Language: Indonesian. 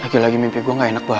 lagi lagi mimpi gue gak enak banget